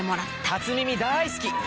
『初耳』大好き。